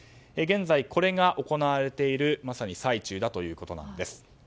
現在これが行われているまさに最中だということです。